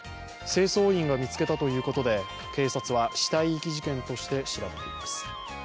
清掃員が見つけたということで警察は死体遺棄事件として調べています。